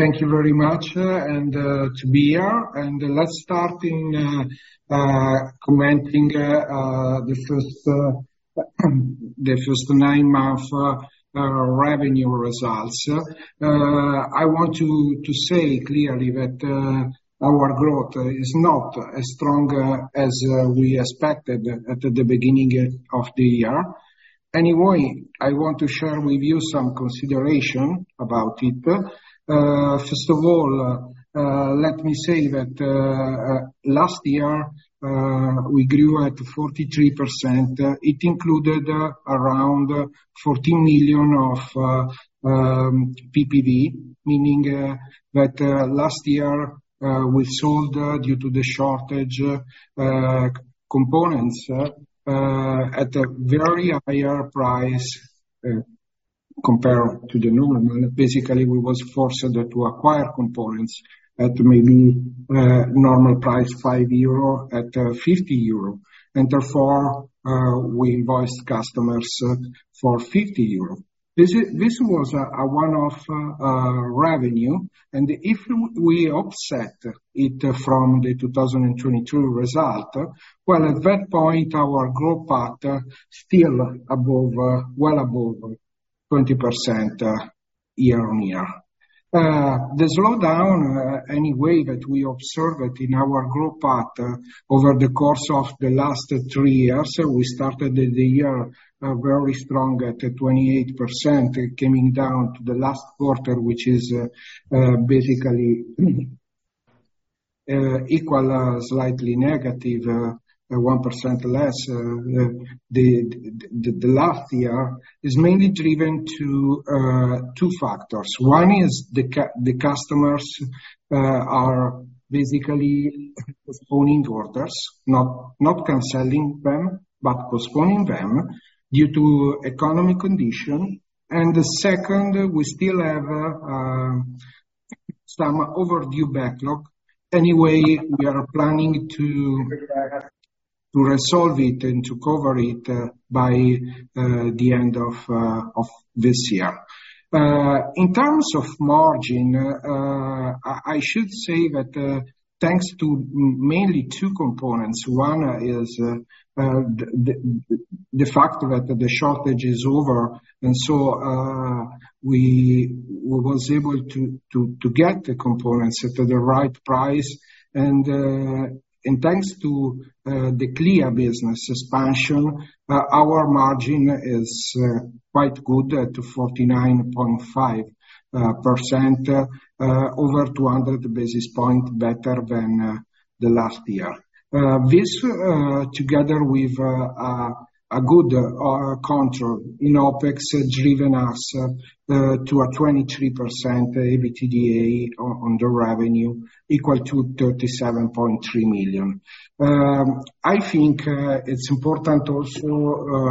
Thank you very much, and to be here, and let's start in commenting the first nine-month revenue results. I want to say clearly that our growth is not as strong as we expected at the beginning of the year. Anyway, I want to share with you some consideration about it. First of all, let me say that last year we grew at 43%. It included around EUR 14 million of PPV, meaning that last year we sold, due to the shortage, components at a very higher price compared to the normal. And basically, we was forced to acquire components at maybe normal price, 5 euro at 50 euro. Therefore, we invoiced customers for 50. This was a one-off revenue, and if we offset it from the 2022 result, well, at that point, our growth path still above, well above 20% year-on-year. The slowdown any way that we observe it in our growth path over the course of the last three years, we started the year very strong at 28%, coming down to the last quarter, which is basically equal, slightly negative, 1% less. The last year is mainly driven to two factors. One is the customers are basically postponing orders, not canceling them, but postponing them due to economic condition. And the second, we still have some overdue backlog. Anyway, we are planning to resolve it and to cover it by the end of this year. In terms of margin, I should say that thanks to mainly two components, one is the fact that the shortage is over, and so we was able to get the components at the right price. And thanks to the Clea business expansion, our margin is quite good at 49.5%, over 200 basis points better than the last year. This together with a good control in OpEx has driven us to a 23% EBITDA on the revenue, equal to 37.3 million. I think it's important also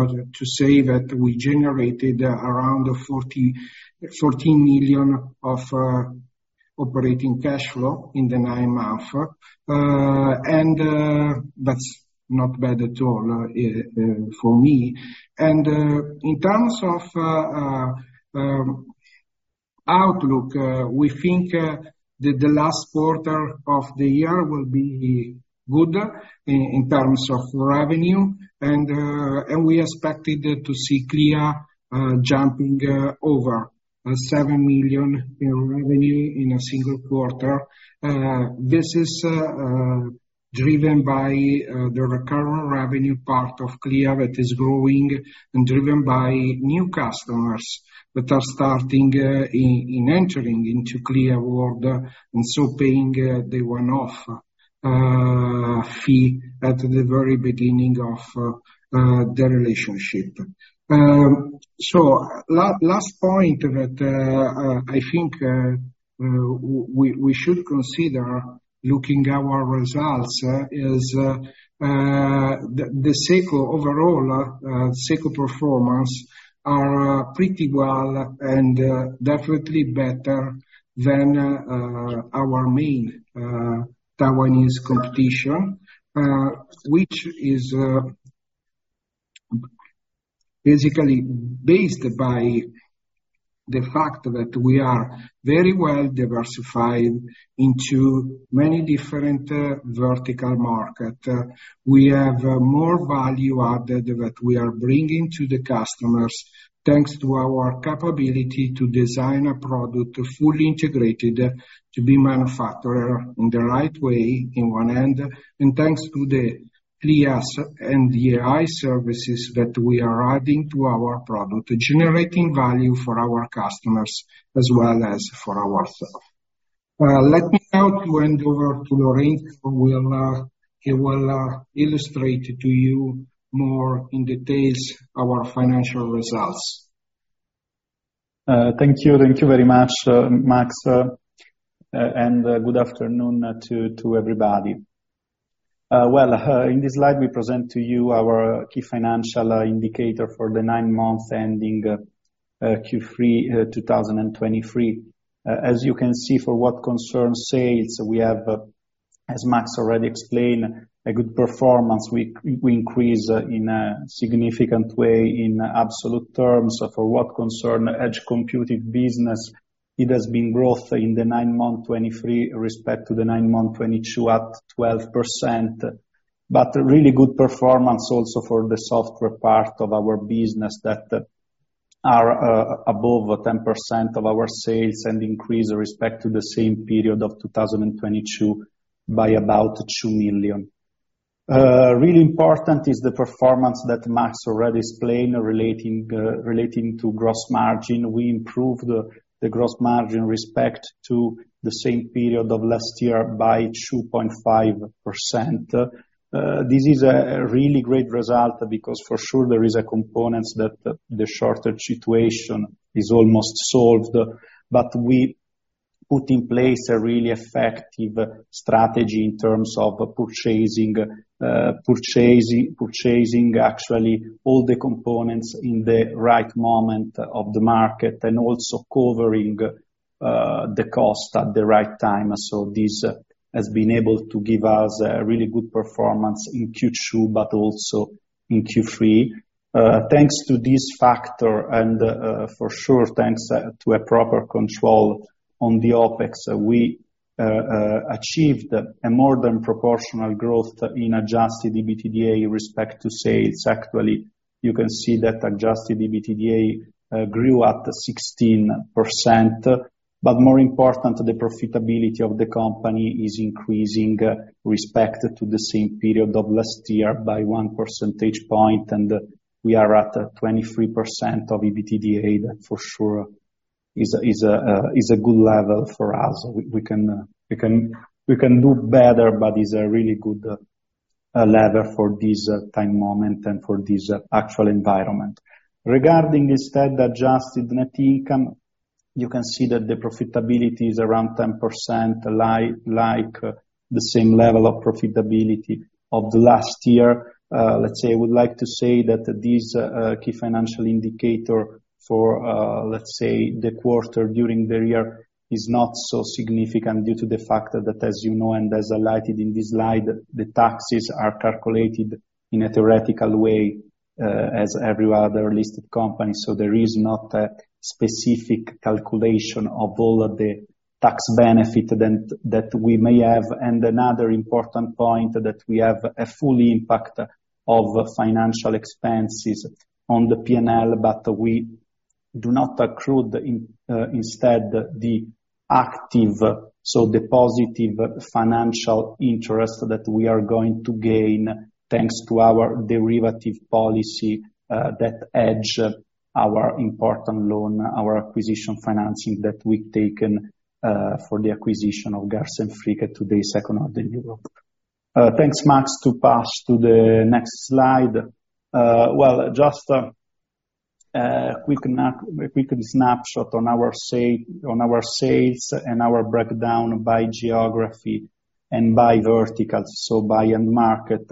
to say that we generated around 44 million of operating cash flow in the 9 months. That's not bad at all for me. In terms of outlook, we think the last quarter of the year will be good in terms of revenue, and we expected to see Clea jumping over 7 million in revenue in a single quarter. This is driven by the recurrent revenue part of Clea that is growing and driven by new customers that are starting in entering into Clea world, and so paying the one-off fee at the very beginning of the relationship. So last point that I think we should consider looking our results is the SECO overall SECO performance are pretty well and definitely better than our main Taiwanese competition. Which is basically based by the fact that we are very well diversified into many different vertical market. We have more value added that we are bringing to the customers, thanks to our capability to design a product fully integrated, to be manufacturer in the right way in one end, and thanks to the Clea and AI services that we are adding to our product, generating value for our customers as well as for ourselves. Let me now hand over to Lorenzo, who will illustrate to you more in details our financial results. Thank you. Thank you very much, Max, and good afternoon to everybody. Well, in this slide, we present to you our key financial indicator for the 9 months ending Q3 2023. As you can see, for what concerns sales, we have, as Max already explained, a good performance. We increase in a significant way in absolute terms. For what concern edge computing business, it has been growth in the 9-month 2023 respect to the 9-month 2022 at 12%. But a really good performance also for the software part of our business that are above 10% of our sales, and increase respect to the same period of 2022 by about 2 million. Really important is the performance that Max already explained, relating, relating to gross margin. We improved the gross margin respect to the same period of last year by 2.5%. This is a really great result, because for sure there is the component shortage situation that is almost solved. But we put in place a really effective strategy in terms of purchasing actually all the components in the right moment of the market, and also covering the cost at the right time. So this has been able to give us a really good performance in Q2, but also in Q3. Thanks to this factor and, for sure, thanks to a proper control on the OpEx, we achieved a more than proportional growth in adjusted EBITDA in respect to sales. Actually, you can see that adjusted EBITDA grew at 16%. But more important, the profitability of the company is increasing respect to the same period of last year by one percentage point, and we are at 23% of EBITDA. For sure is a good level for us. We can do better, but is a really good level for this time moment and for this actual environment. Regarding instead adjusted net income, you can see that the profitability is around 10%, like the same level of profitability of the last year. Let's say, I would like to say that this key financial indicator for, let's say, the quarter during the year, is not so significant due to the fact that, as you know, and as highlighted in this slide, the taxes are calculated in a theoretical way, as every other listed company. So there is not a specific calculation of all of the tax benefit that we may have. And another important point, that we have a full impact of financial expenses on the P&L, but we do not accrue the interest instead the active, so the positive financial interest that we are going to gain, thanks to our derivative policy, that hedge our important loan, our acquisition financing that we've taken, for the acquisition of Garz & Fricke, today second in Europe. Thanks, Max, to pass to the next slide. Well, just a quick snapshot on our sales and our breakdown by geography and by verticals, so by end market.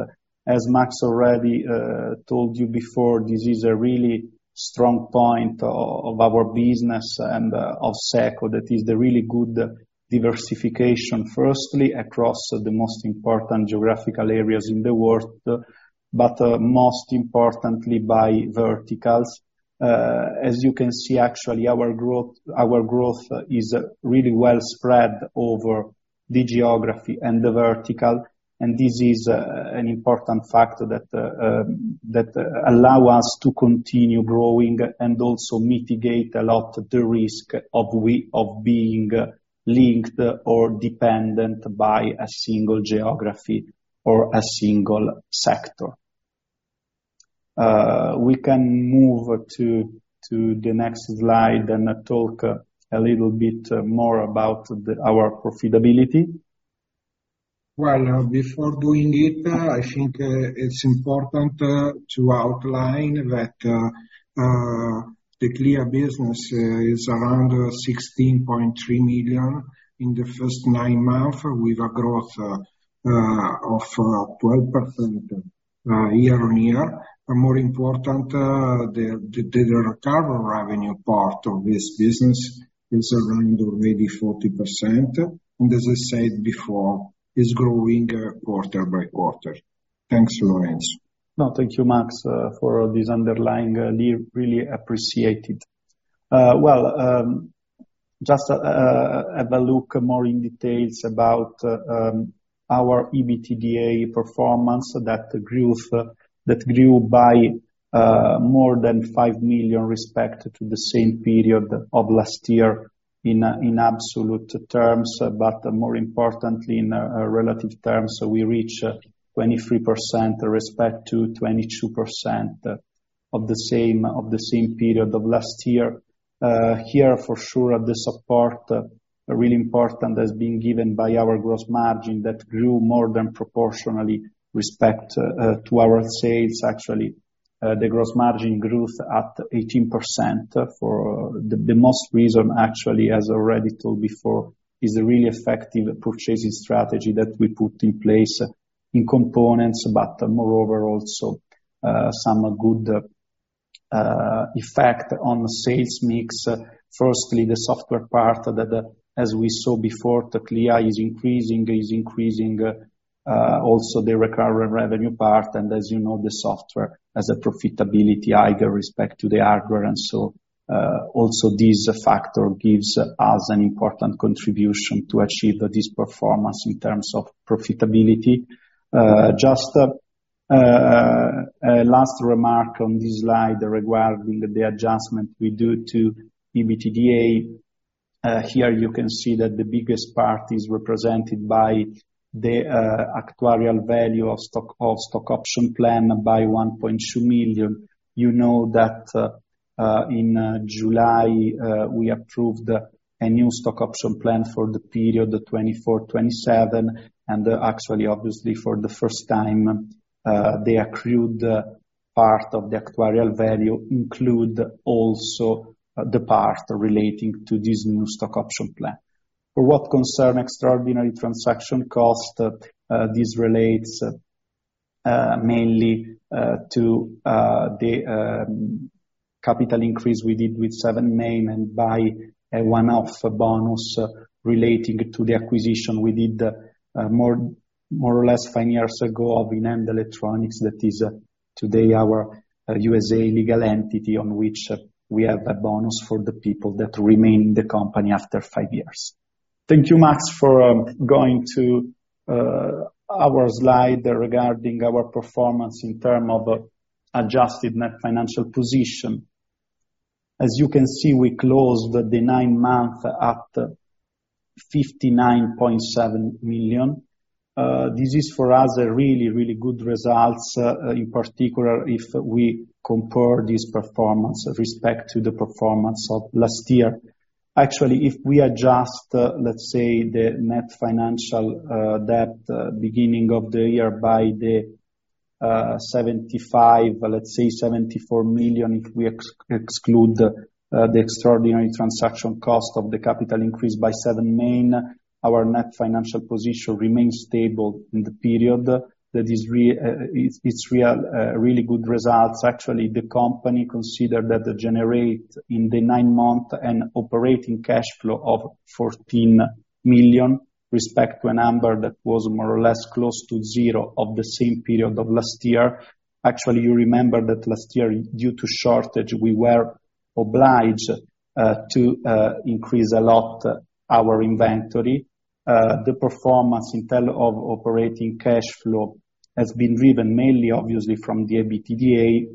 As Max already told you before, this is a really strong point of our business and of SECO, that is the really good diversification, firstly, across the most important geographical areas in the world, but most importantly, by verticals. As you can see, actually, our growth is really well spread over the geography and the vertical. This is an important factor that allow us to continue growing and also mitigate a lot the risk of being linked or dependent by a single geography or a single sector. We can move to the next slide and talk a little bit more about our profitability. Well, before doing it, I think it's important to outline that the Clea business is around 16.3 million in the first nine months, with a growth of 12% year-on-year. But more important, the data recovery revenue part of this business is around already 40%, and as I said before, is growing quarter-by-quarter. Thanks, Lorenzo. No, thank you, Max, for this underlying view. Really appreciate it. Well, just have a look more in details about our EBITDA performance. That grew by more than 5 million respect to the same period of last year in absolute terms, but more importantly, in relative terms. So we reach 23% respect to 22% of the same period of last year. Here for sure, the support really important is being given by our gross margin, that grew more than proportionally respect to our sales. Actually, the gross margin grew at 18% for... The most reason, actually, as I already told before, is a really effective purchasing strategy that we put in place in components, but moreover, also some good effect on sales mix. Firstly, the software part that, as we saw before, Clea is increasing, is increasing also the recurrent revenue part, and as you know, the software has a profitability higher respect to the hardware. And so, also this factor gives us an important contribution to achieve this performance in terms of profitability. Just a last remark on this slide regarding the adjustment we do to EBITDA. Here you can see that the biggest part is represented by the actuarial value of stock, of stock option plan by 1.2 million. You know that in July we approved a new stock option plan for the period, the 2024-2027, and actually, obviously, for the first time, the accrued part of the actuarial value include also the part relating to this new stock option plan. For what concerns extraordinary transaction costs, this relates mainly to the capital increase we did with 7-Industries and by a one-off bonus relating to the acquisition we did more or less five years ago of InHand Electronics, that is today our USA legal entity, on which we have a bonus for the people that remain in the company after five years. Thank you, Max, for going to our slide regarding our performance in terms of adjusted net financial position. As you can see, we closed the nine months at 59.7 million. This is for us a really really good results, in particular if we compare this performance with respect to the performance of last year. Actually, if we adjust, let's say, the net financial debt beginning of the year by the, 75, let's say 74 million, if we exclude the extraordinary transaction cost of the capital increase by 7-Industries, our net financial position remains stable in the period. That is, it's really good results. Actually, the company considered that generate in the nine month an operating cash flow of 14 million, respect to a number that was more or less close to zero of the same period of last year. Actually, you remember that last year, due to shortage, we were obliged to increase a lot our inventory. The performance in terms of operating cash flow has been driven mainly, obviously, from the EBITDA,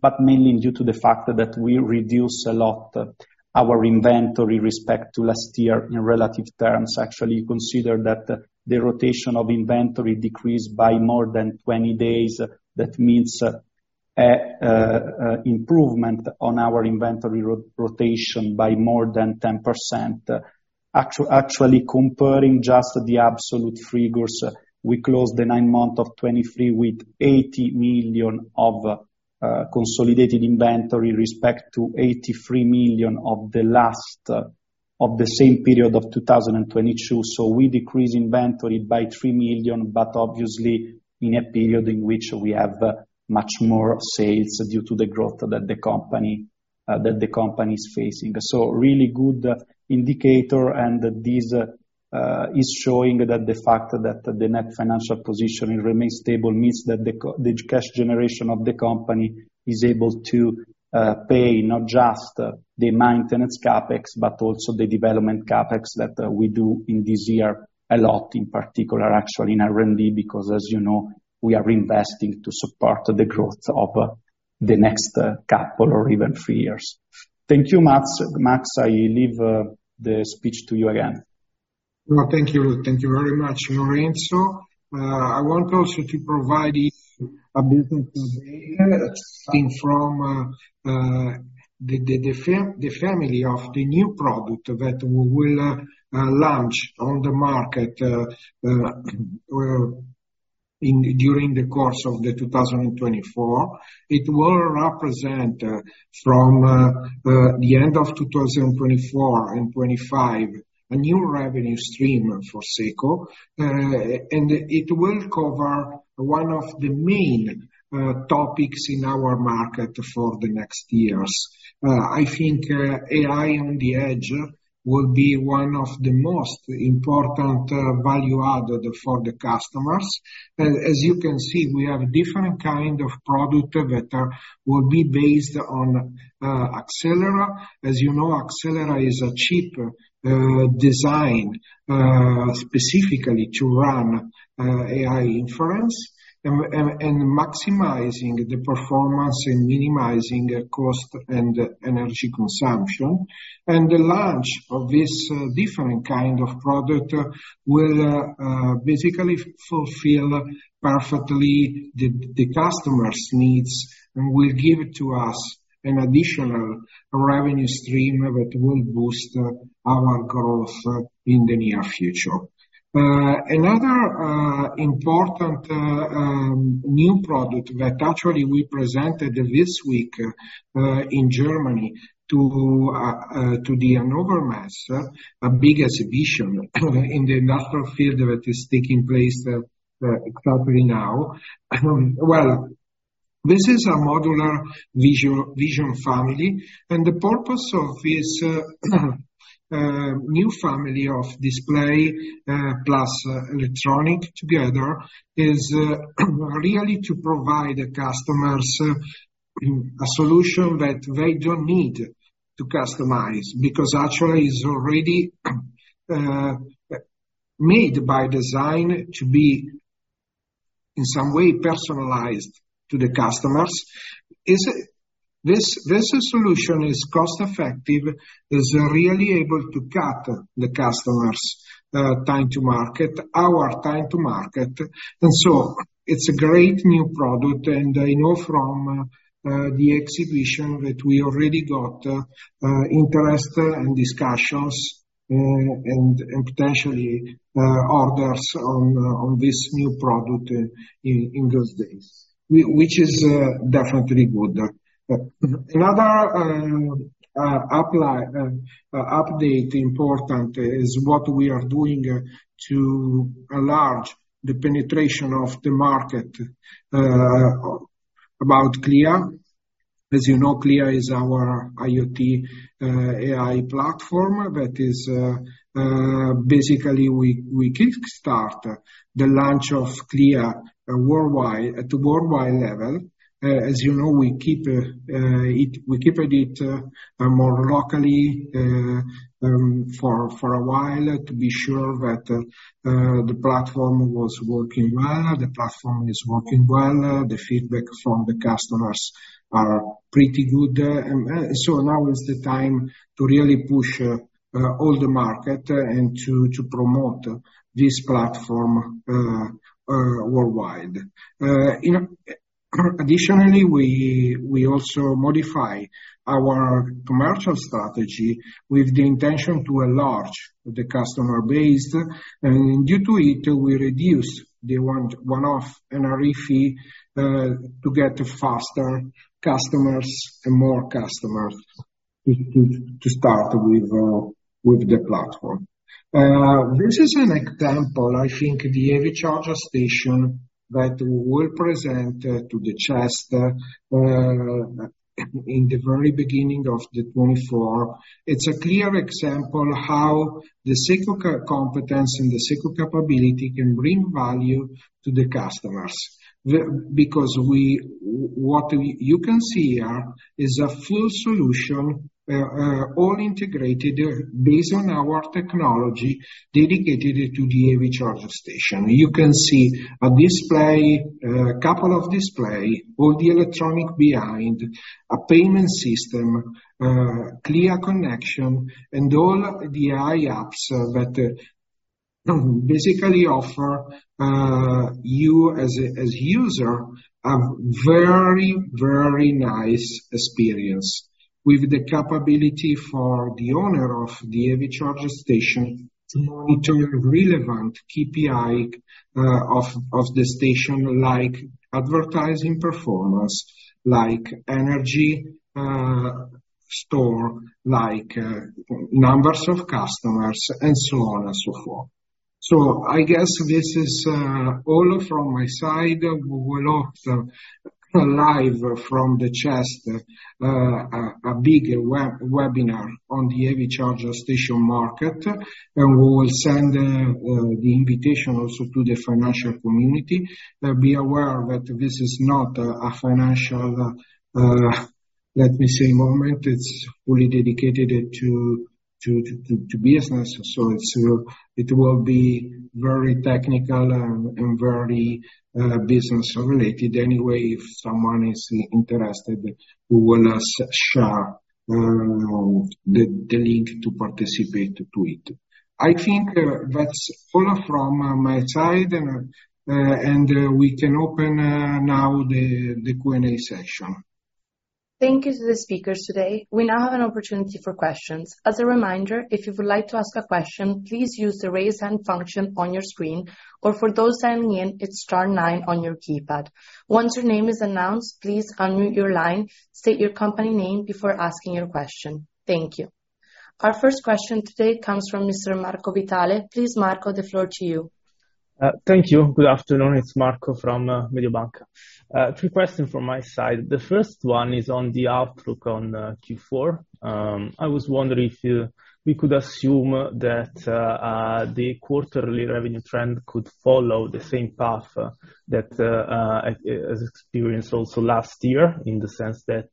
but mainly due to the fact that we reduce a lot our inventory with respect to last year in relative terms. Actually, consider that the rotation of inventory decreased by more than 20 days. That means, a improvement on our inventory rotation by more than 10%. Actually comparing just the absolute figures, we closed the nine months of 2023 with 80 million of consolidated inventory, with respect to 83 million of the last of the same period of 2022. So we decrease inventory by 3 million, but obviously in a period in which we have much more sales due to the growth that the company, that the company is facing. So really good indicator, and this is showing that the fact that the net financial position it remains stable means that the cash generation of the company is able to pay not just the maintenance CapEx, but also the development CapEx that we do in this year, a lot, in particular, actually, in R&D, because as you know, we are investing to support the growth of the next couple or even three years. Thank you, Max. Max, I leave the speech to you again. Well, thank you. Thank you very much, Lorenzo. I want also to provide you a business update from the family of the new product that we will launch on the market in during the course of 2024. It will represent from the end of 2024 and 2025, a new revenue stream for SECO, and it will cover one of the main topics in our market for the next years. I think AI on the Edge will be one of the most important value add for the customers. As you can see, we have different kind of product that will be based on Axelera. As you know, Axelera is a chip designed specifically to run AI inference, and maximizing the performance and minimizing the cost and energy consumption. And the launch of this different kind of product will basically fulfill perfectly the customer's needs, and will give to us an additional revenue stream that will boost our growth in the near future. Another important new product that actually we presented this week in Germany to the Hannover Messe, a big exhibition, in the industrial field that is taking place exactly now. Well, this is a modular vision family, and the purpose of this new family of display plus electronics together is really to provide the customers a solution that they don't need to customize, because actually is already made by design to be, in some way, personalized to the customers. This solution is cost effective, is really able to cut the customers' time to market, our time to market, and so it's a great new product, and I know from the exhibition that we already got interest and discussions, and potentially orders on this new product in those days, which is definitely good. Another important update is what we are doing to enlarge the penetration of the market. About Clea. As you know, Clea is our IoT, AI platform that is basically we kickstart the launch of Clea worldwide, at the worldwide level. As you know, we kept it more locally for a while to be sure that the platform was working well. The platform is working well, the feedback from the customers are pretty good, and so now is the time to really push all the market and to promote this platform worldwide. You know, additionally, we also modify our commercial strategy with the intention to enlarge the customer base, and due to it, we reduce the one-off and a fee to get faster customers and more customers to start with the platform. This is an example, I think the EV charger station that we present to CES in the very beginning of 2024. It's a clear example how the SECO competence and the SECO capability can bring value to the customers. Because what you can see here is a full solution, all integrated, based on our technology, dedicated to the EV charger station. You can see a display, couple of display, all the electronic behind, a payment system, Clea connection, and all the AI apps that basically offer you as a user a very, very nice experience. With the capability for the owner of the EV charger station to monitor relevant KPI of the station, like advertising performance, like energy store, like numbers of customers, and so on and so forth. So I guess this is all from my side. We will also live from CES a big webinar on the EV charger station market, and we will send the invitation also to the financial community. Be aware that this is not a financial let me say moment. It's fully dedicated to business, so it will be very technical and very business related. Anyway, if someone is interested, we will share the link to participate to it. I think that's all from my side, and we can open now the Q&A session. Thank you to the speakers today. We now have an opportunity for questions. As a reminder, if you would like to ask a question, please use the Raise Hand function on your screen, or for those dialing in, it's star nine on your keypad. Once your name is announced, please unmute your line, state your company name before asking your question. Thank you. Our first question today comes from Mr. Marco Vitale. Please, Marco, the floor to you. Thank you. Good afternoon. It's Marco from Mediobanca. Two questions from my side. The first one is on the outlook on Q4. I was wondering if we could assume that the quarterly revenue trend could follow the same path that as experienced also last year, in the sense that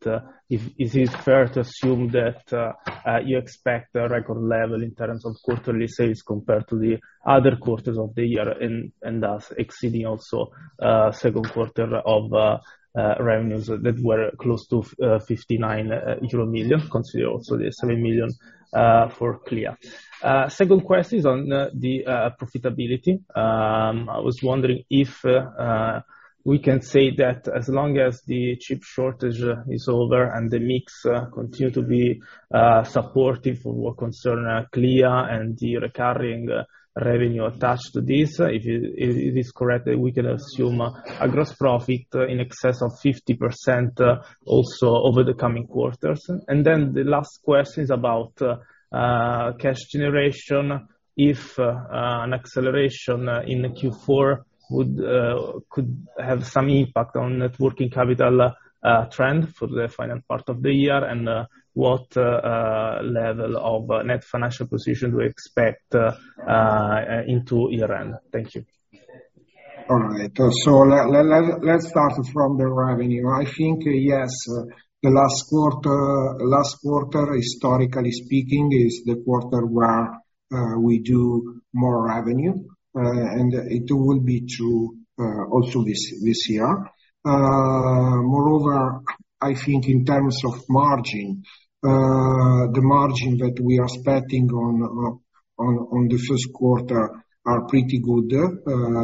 is it fair to assume that you expect a record level in terms of quarterly sales compared to the other quarters of the year, and thus exceeding also Q2 of revenues that were close to 59 million euro, consider also the 7 million for Clea? Second question is on the profitability. I was wondering if we can say that as long as the chip shortage is over and the mix continue to be supportive of what concerns Clea and the recurring revenue attached to this, if it is correct, we can assume a gross profit in excess of 50% also over the coming quarters? And then the last question is about cash generation, if an acceleration in the Q4 would could have some impact on net working capital trend for the final part of the year, and what level of net financial position we expect into year end? Thank you. All right, so let's, let's start from the revenue. I think, yes, the last quarter, last quarter, historically speaking, is the quarter where we do more revenue, and it will be true, also this, this year. Moreover, I think in terms of margin, the margin that we are expecting on the Q1 are pretty good,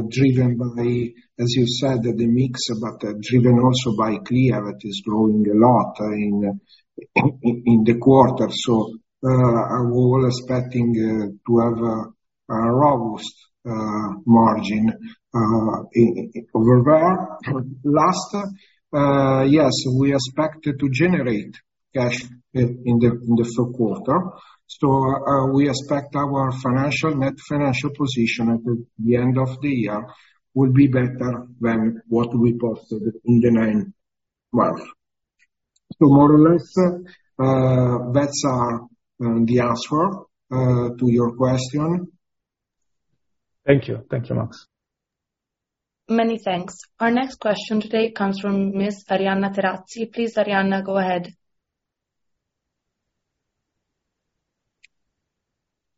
driven by, as you said, the mix, but driven also by Clea, it is growing a lot, in the quarter. So, we're all expecting to have a robust margin in over there. Last, yes, we expect to generate cash in the Q4. So, we expect our financial, net financial position at the end of the year will be better than what we posted in the ninth month. So more or less, that's the answer to your question. Thank you. Thank you, Max. Many thanks. Our next question today comes from Miss Arianna Terazzi. Please, Arianna, go ahead.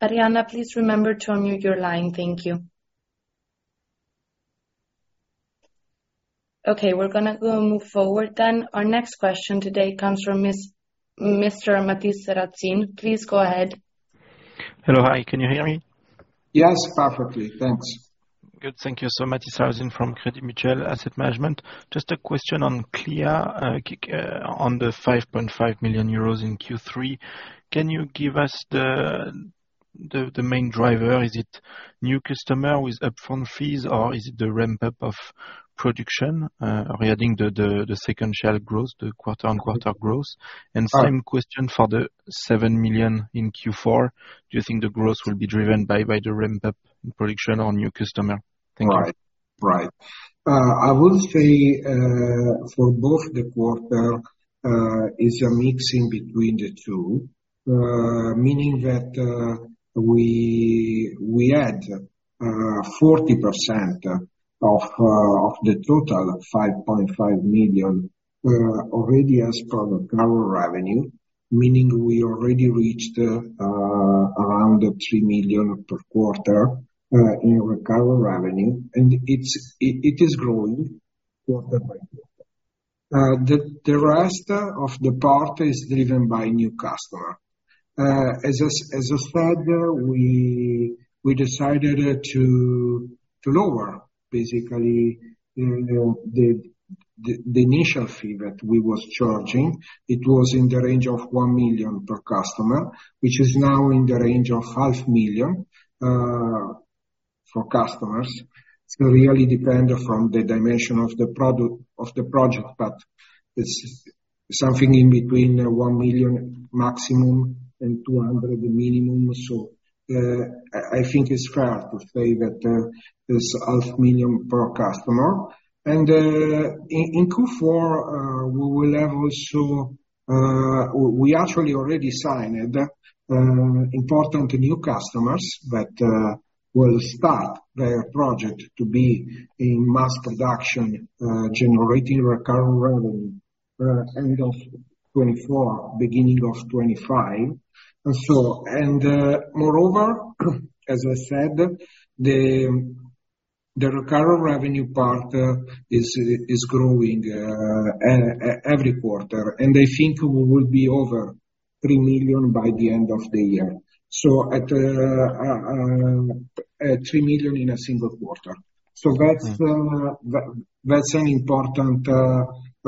Arianna, please remember to unmute your line. Thank you. Okay, we're gonna go move forward then. Our next question today comes from Miss- Mr. Mathis Sarrazin. Please go ahead. Hello. Hi, can you hear me? Yes, perfectly. Thanks. Good. Thank you. So Mathis Sarrazin from Crédit Mutuel Asset Management. Just a question on Clea, on the 5.5 million euros in Q3. Can you give us the main driver? Is it new customer with upfront fees, or is it the ramp up of production, regarding the second share growth, the quarter-on-quarter growth? Uh- Same question for the 7 million in Q4. Do you think the growth will be driven by the ramp up production on new customer? Thank you. Right. Right. I will say, for both the quarter, it's a mixing between the two, meaning that, we, we add, 40% of, of the total 5.5 million, already as per the current revenue, meaning we already reached, around the 3 million per quarter, in recovery revenue, and it's, it, it is growing quarter-by-quarter. The, the rest of the part is driven by new customer. As I, as I said, we, we decided to, to lower basically, the, the, the initial fee that we was charging. It was in the range of 1 million per customer, which is now in the range of 500,000, for customers. It's really depend on from the dimension of the project, but it's something in between 1 million maximum and 200,000 minimum. So, I think it's fair to say that it's 0.5 million per customer. And in Q4, we will have also. We actually already signed important new customers that will start their project to be in mass production, generating recurrent revenue end of 2024, beginning of 2025. And so, moreover, as I said, the recurrent revenue part is growing every quarter, and I think we will be over 3 million by the end of the year. So at 3 million in a single quarter. Mm. So that's an important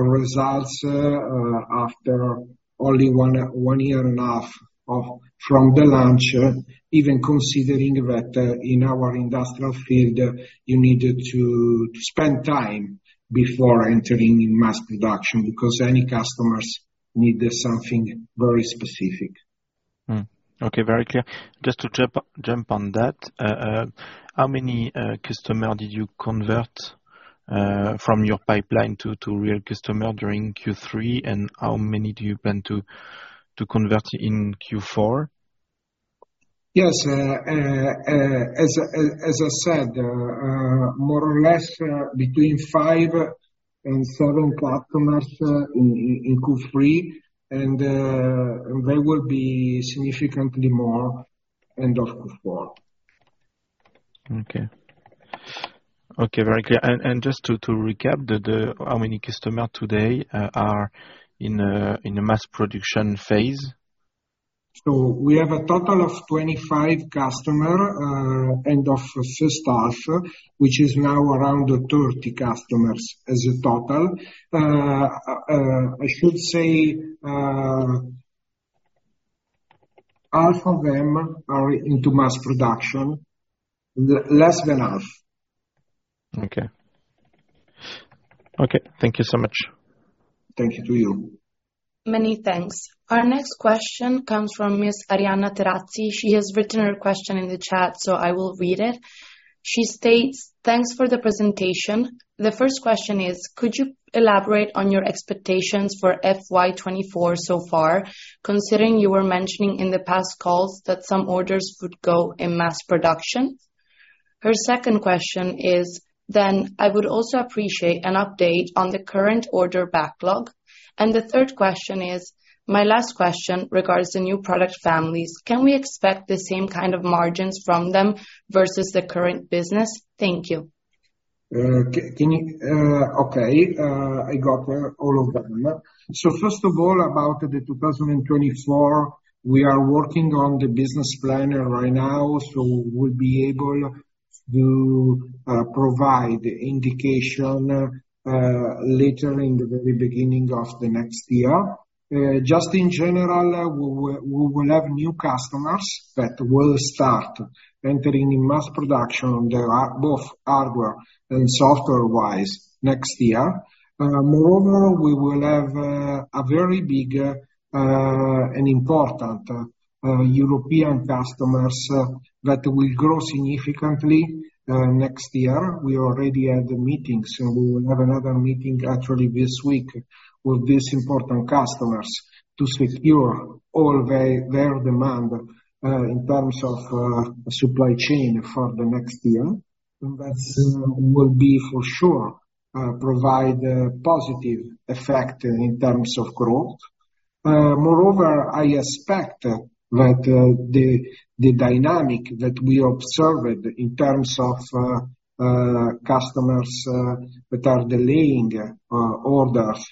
results after only one year and a half from the launch, even considering that in our industrial field, you need to spend time before entering in mass production, because any customers need something very specific. Okay, very clear. Just to jump on that, how many customer did you convert from your pipeline to real customer during Q3? And how many do you plan to convert in Q4? Yes, as I said, more or less, between five and seven customers in Q3, and there will be significantly more end of Q4. Okay. Okay, very clear. And just to recap, how many customer today are in a mass production phase? So we have a total of 25 customers, end of first half, which is now around 30 customers as a total. I should say, half of them are into mass production, less than half. Okay. Okay, thank you so much. Thank you to you. Many thanks. Our next question comes from Miss Arianna Terazzi. She has written her question in the chat, so I will read it. She states: "Thanks for the presentation. The first question is, could you elaborate on your expectations for FY 2024 so far, considering you were mentioning in the past calls that some orders would go in mass production?" Her second question is: "Then, I would also appreciate an update on the current order backlog." And the third question is: "My last question regards the new product families. Can we expect the same kind of margins from them versus the current business? Thank you. Okay, I got all of them. So first of all, about 2024, we are working on the business plan right now, so we'll be able to provide indication later in the very beginning of the next year. Just in general, we will have new customers that will start entering in mass production. There are both hardware and software-wise next year. Moreover, we will have a very big and important European customers that will grow significantly next year. We already had the meetings, so we will have another meeting actually this week with these important customers to secure all their demand in terms of supply chain for the next year. That will for sure provide a positive effect in terms of growth. Moreover, I expect that the dynamic that we observed in terms of customers that are delaying orders,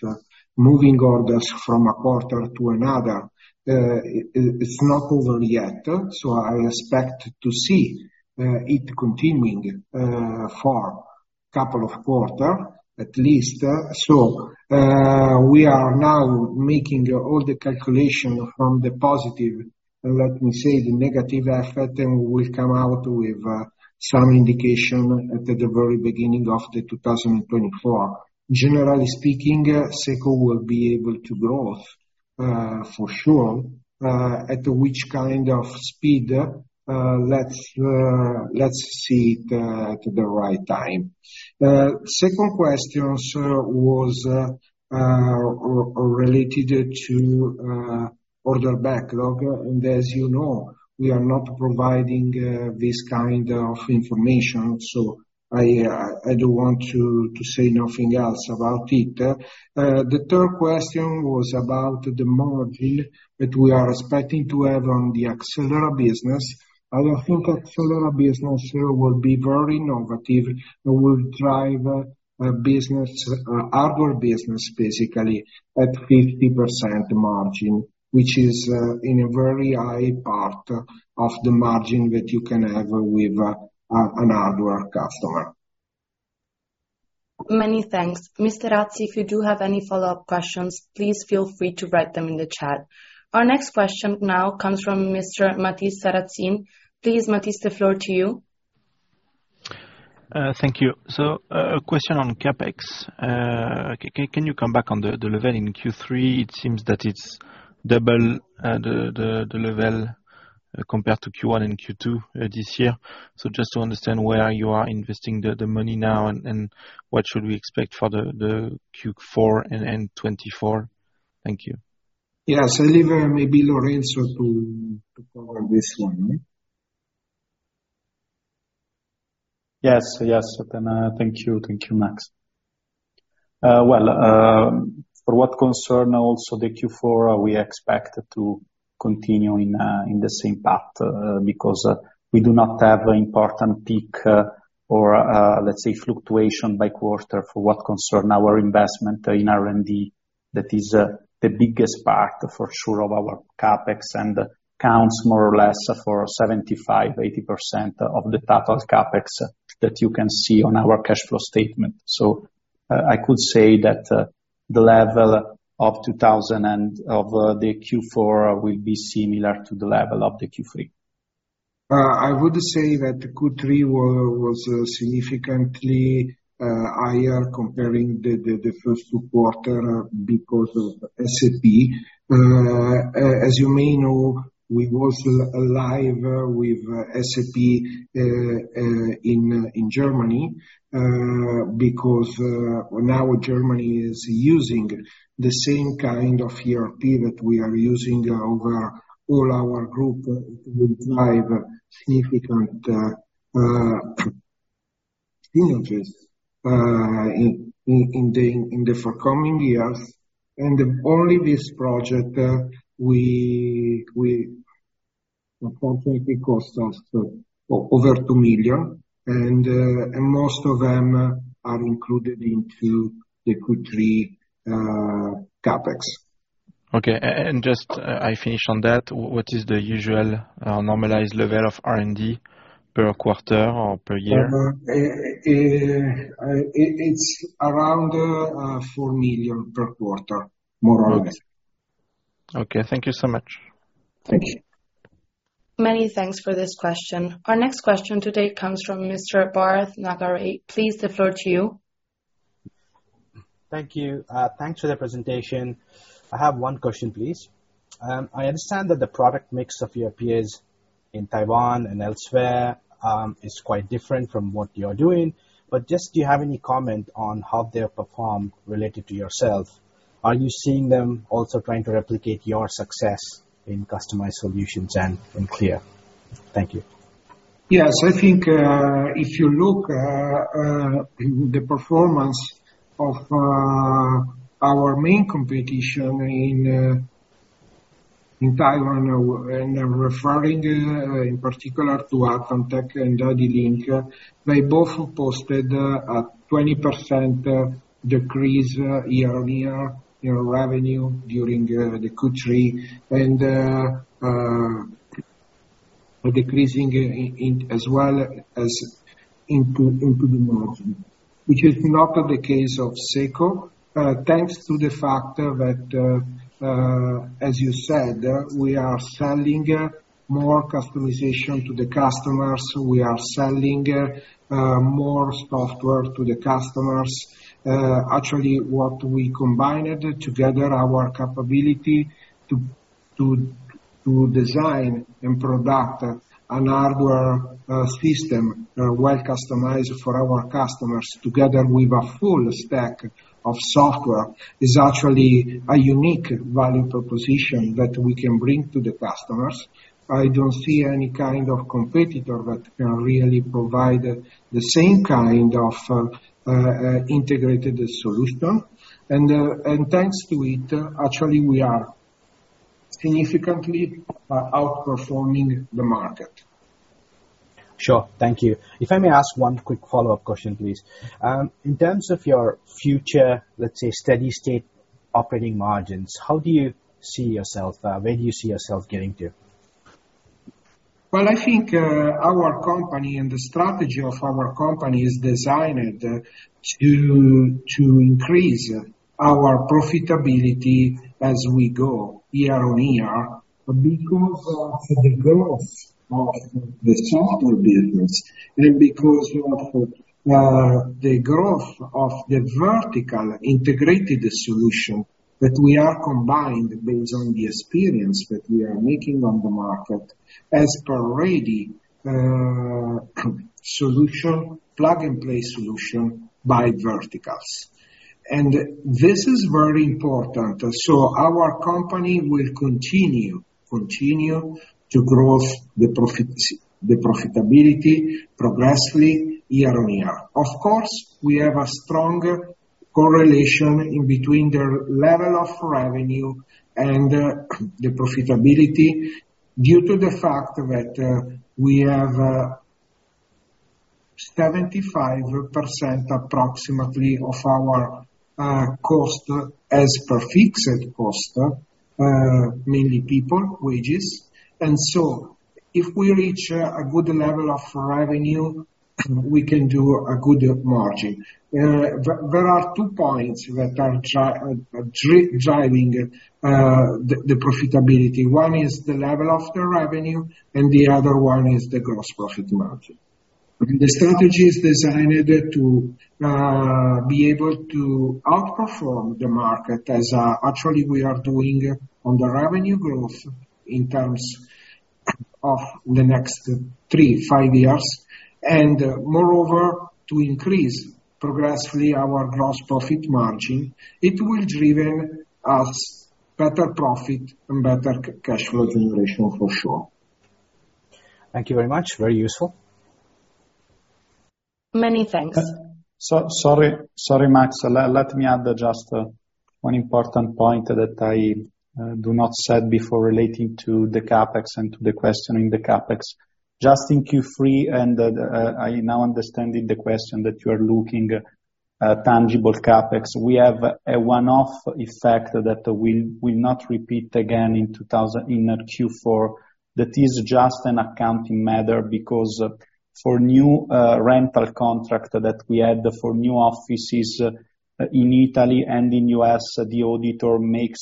moving orders from a quarter to another, it's not over yet, so I expect to see it continuing for couple of quarters, at least. So, we are now making all the calculations for the positive, let me say, the negative effect, and we will come out with some indication at the very beginning of 2024. Generally speaking, SECO will be able to grow for sure. At which kind of speed? Let's see it at the right time. Second question was related to order backlog, and as you know, we are not providing this kind of information, so I do want to say nothing else about it. The third question was about the margin that we are expecting to have on the InHand business. I think InHand business here will be very innovative and will drive a business, InHand business, basically, at 50% margin, which is in a very high part of the margin that you can have with an InHand customer. Many thanks. Mr. Razzi, if you do have any follow-up questions, please feel free to write them in the chat. Our next question now comes from Mr. Mathis Sarrazin. Please, Mathis, the floor to you. Thank you. So, a question on CapEx. Can you come back on the level in Q3? It seems that it's double the level compared to Q1 and Q2 this year. So just to understand where you are investing the money now, and what should we expect for the Q4 and 2024? Thank you. Yes, I leave maybe Lorenzo to cover this one. Yes. Yes, thank you. Thank you, Max. Well, for what concern also the Q4, we expect to continue in the same path, because we do not have an important peak, or, let's say fluctuation by quarter for what concern our investment in R&D. That is, the biggest part for sure, of our CapEx, and counts more or less for 75%-80% of the total CapEx that you can see on our cash flow statement. So, I could say that, the level of 2,000 and of the Q4 will be similar to the level of the Q3. I would say that Q3 was significantly higher comparing to the first two quarters because of SAP. As you may know, we went live with SAP in Germany because now Germany is using the same kind of ERP that we are using across all our group with five significant investments in the forthcoming years. And only this project unfortunately cost us over 2 million, and most of them are included in the Q3 CapEx. Okay, and just, I finish on that. What is the usual, normalized level of R&D per quarter or per year? It's around 4 million per quarter, more or less. Okay. Thank you so much. Thank you. Many thanks for this question. Our next question today comes from Mr. Bharath Nagaraj. Please, the floor to you. Thank you. Thanks for the presentation. I have one question, please. I understand that the product mix of your peers in Taiwan and elsewhere is quite different from what you're doing, but just do you have any comment on how they have performed related to yourself? Are you seeing them also trying to replicate your success in customized solutions and in Clea? Thank you. Yes. I think if you look in the performance of our main competition in Taiwan, and referring in particular to Advantech and ADLINK, they both posted a 20% decrease year-on-year in revenue during the Q3, and decreasing in as well as into the market. Which is not the case of SECO, thanks to the factor that, as you said, we are selling more customization to the customers. We are selling more software to the customers. Actually, what we combined together, our capability to design and produce a hardware system well customized for our customers, together with a full stack of software, is actually a unique value proposition that we can bring to the customers. I don't see any kind of competitor that can really provide the same kind of integrated solution. And, and thanks to it, actually, we are significantly outperforming the market. Sure. Thank you. If I may ask one quick follow-up question, please. In terms of your future, let's say, steady state operating margins, how do you see yourself? Where do you see yourself getting to? Well, I think, our company and the strategy of our company is designed to, to increase our profitability as we go year on year, because of the growth of the software business, and because of, the growth of the vertical integrated solution that we are combined based on the experience that we are making on the market, as per ready solution, plug-and-play solution by verticals. And this is very important. So our company will continue to growth the profitability progressively year on year. Of course, we have a stronger correlation in between the level of revenue and, the profitability, due to the fact that, we have, approximately 75% of our cost as per fixed cost mainly people wages. And so if we reach a good level of revenue, we can do a good margin. There are two points that are driving the profitability. One is the level of the revenue, and the other one is the gross profit margin. The strategy is designed to be able to outperform the market, as actually we are doing on the revenue growth in terms of the next 3-5 years. And moreover, to increase progressively our gross profit margin, it will driven us better profit and better cash flow generation, for sure. Thank you very much. Very useful. Many thanks. Sorry, sorry, Max. Let me add just one important point that I do not said before relating to the CapEx and to the question in the CapEx. Just in Q3, I now understanding the question, that you are looking at tangible CapEx. We have a one-off effect that we not repeat again in Q4. That is just an accounting matter, because for new rental contract that we had for new offices in Italy and in U.S., the auditor makes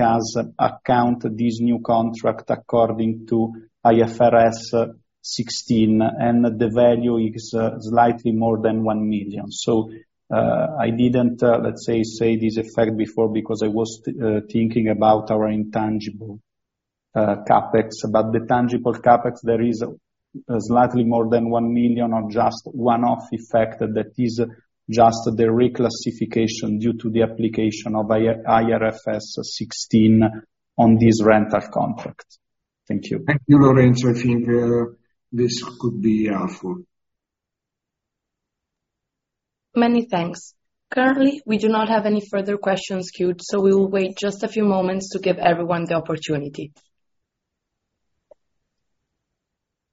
us account this new contract according to IFRS 16, and the value is slightly more than 1 million. So, I didn't let's say say this effect before because I was thinking about our intangible CapEx. But the tangible CapEx, there is slightly more than 1 million, or just one-off effect that is just the reclassification due to the application of IFRS 16 on this rental contract. Thank you. Thank you, Lorenzo. I think this could be all. Many thanks. Currently, we do not have any further questions queued, so we will wait just a few moments to give everyone the opportunity.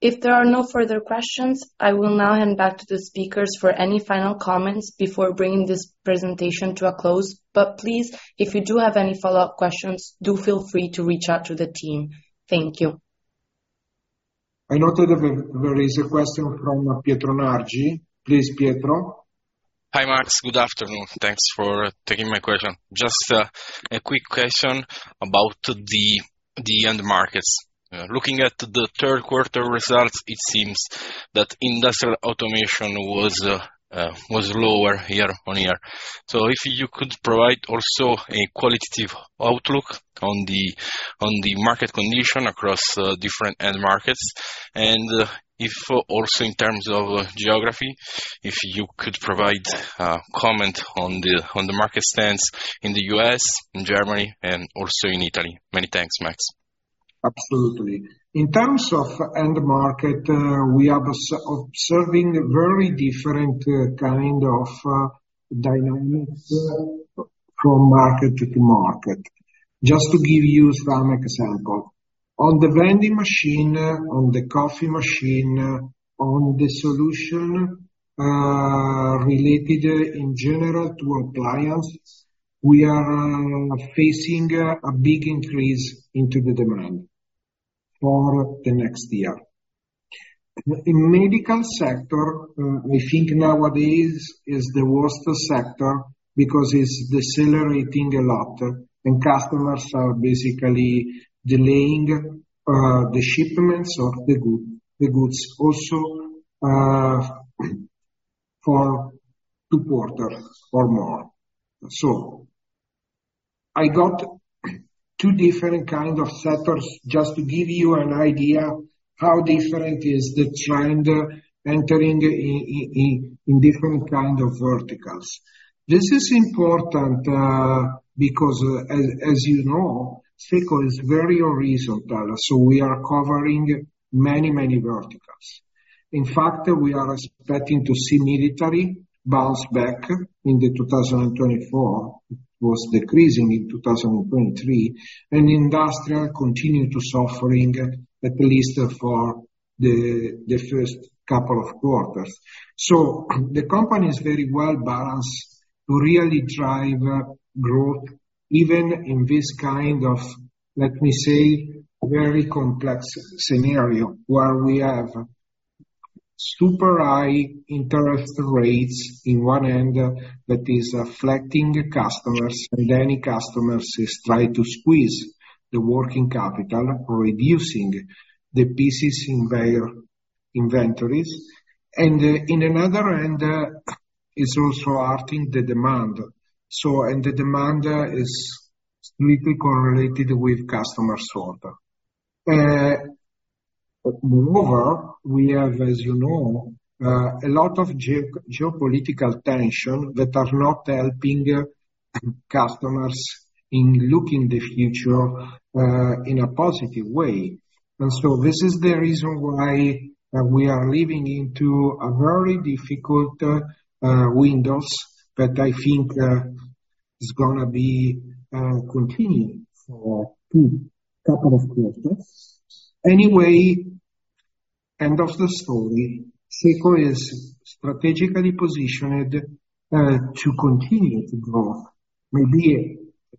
If there are no further questions, I will now hand back to the speakers for any final comments before bringing this presentation to a close. But please, if you do have any follow-up questions, do feel free to reach out to the team. Thank you. I noted that there is a question from Pietro Nargi. Please, Pietro. Hi, Max. Good afternoon. Thanks for taking my question. Just a quick question about the end markets. Looking at the Q3 results, it seems that industrial automation was lower year-on-year. So if you could provide also a qualitative outlook on the market condition across different end markets. And if also in terms of geography, if you could provide comment on the market stance in the U.S., in Germany, and also in Italy. Many thanks, Max. Absolutely. In terms of end market, we are observing very different kind of dynamics from market to market. Just to give you some example, on the vending machine, on the coffee machine, on the solution related in general to our clients, we are facing a big increase into the demand for the next year. In medical sector, we think nowadays is the worst sector because it's decelerating a lot, and customers are basically delaying the shipments of the goods also for two quarters or more. So I got two different kind of sectors, just to give you an idea how different is the trend entering in different kind of verticals. This is important because as you know, SECO is very horizontal, so we are covering many, many verticals. In fact, we are expecting to see military bounce back in 2024. It was decreasing in 2023, and industrial continue to suffering, at least for the first couple of quarters. So the company is very well balanced to really drive growth, even in this kind of, let me say, very complex scenario, where we have super high interest rates in one end that is affecting customers, and then customers is trying to squeeze the working capital, reducing the pieces in their inventories. And in another end is also affecting the demand. So, and the demand is strictly correlated with customers order. Moreover, we have, as you know, a lot of geopolitical tension that are not helping customers in looking the future in a positive way. And so this is the reason why we are living into a very difficult window that I think is gonna be continuing for 2 couple of quarters. Anyway, end of the story, SECO is strategically positioned to continue to grow. Maybe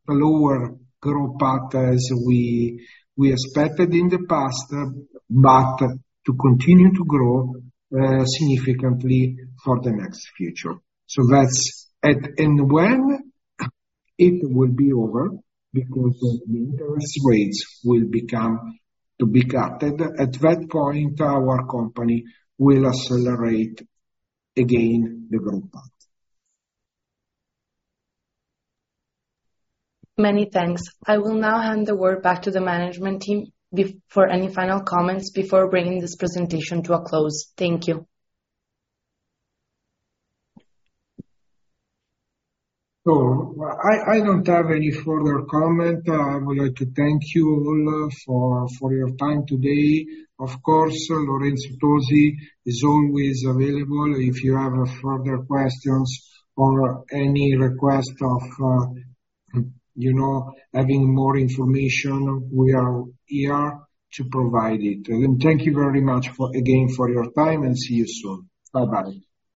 a lower growth path as we expected in the past, but to continue to grow significantly for the next future. So that's and when it will be over, because the interest rates will become to be cut, at that point, our company will accelerate again the growth path. Many thanks. I will now hand the word back to the management team for any final comments before bringing this presentation to a close. Thank you. I don't have any further comment. I would like to thank you all for your time today. Of course, Lorenzo Mazzini is always available if you have further questions or any request of, you know, having more information; we are here to provide it. And thank you very much for, again, for your time, and see you soon. Bye-bye.